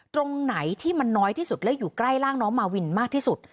ตรงไหนที่มันน้อยที่สุดและอยู่ใกล้ร่างน้องมาวินมากที่สุด